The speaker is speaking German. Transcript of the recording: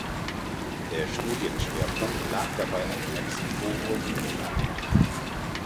Der Studienschwerpunkt lag dabei auf Mexiko und Mittelamerika.